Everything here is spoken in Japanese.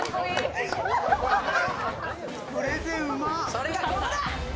それがここだ！